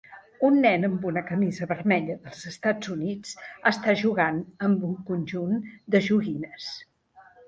Un nen amb una camisa vermella dels Estats Units està jugant amb un conjunt de joguines